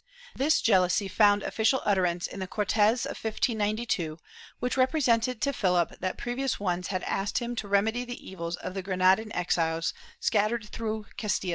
This jealousy found official utterance in the Cortes of 1592, which represented to Philip that previous ones had asked him to remedy the evils of the Granadan exiles scattered through Castile.